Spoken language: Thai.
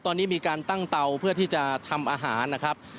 ตอนนี้มีการตั้งเตาเพื่อที่จะทำอาหารนะครับ